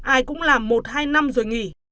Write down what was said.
ai cũng làm một hai năm rồi nghỉ